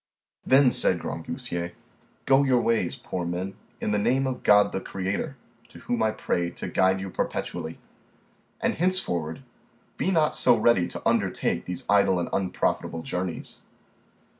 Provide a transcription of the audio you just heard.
Then, said Grangousier, go your ways, poor men, in the name of God the Creator, to whom I pray to guide you perpetually, and henceforward be not so ready to undertake these idle and unprofitable journeys.